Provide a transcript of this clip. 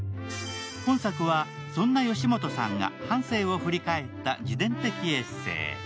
今作は、そんな吉本さんが半生を振り返った自伝的エッセー。